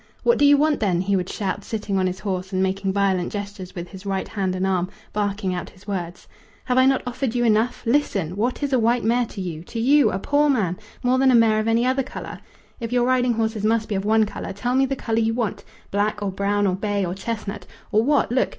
"What do you want, then?" he would shout, sitting on his horse and making violent gestures with his right hand and arm, barking out his words. "Have I not offered you enough? Listen! What is a white mare to you to you, a poor man more than a mare of any other colour? If your riding horses must be of one colour, tell me the colour you want. Black or brown or bay or chestnut, or what? Look!